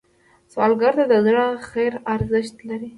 سوالګر ته د زړه خیر ارزښت لري